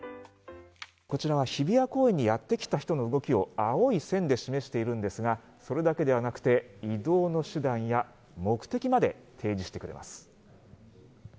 こちらは日比谷公園にやってきた人の動きを青い線で示しているんですがそれだけではなくて移動の手段や目的まで提示してくれます。